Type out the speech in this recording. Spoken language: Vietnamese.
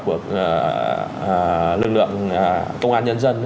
của lực lượng công an nhân dân